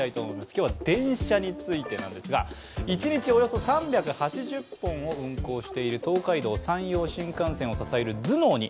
今日は電車についてなんですが一日およそ３８０本を運行している東海道山陽新幹線を支える頭脳に